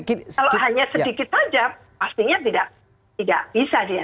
kalau hanya sedikit saja pastinya tidak bisa dia